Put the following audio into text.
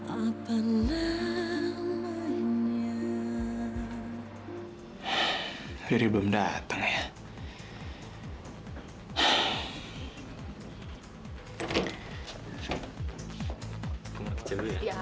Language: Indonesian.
ya dari belum datang ya